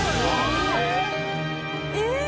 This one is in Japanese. えっ！